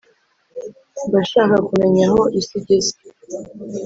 Mba nshaka kumenya aho isi igeze